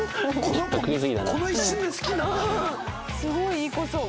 すごいいい子そう。